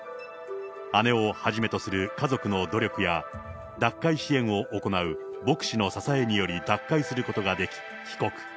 姉をはじめとする家族の努力や、脱会支援を行う牧師の支えにより脱会することができ、帰国。